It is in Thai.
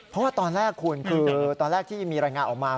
เพราะว่าตอนแรกคุณคือตอนแรกที่มีรายงานออกมา